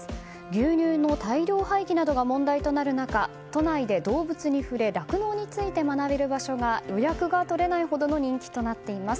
牛乳の大量廃棄などが問題となる中都内で動物に触れ酪農について学べる場所が予約が取れないほどの人気となっています。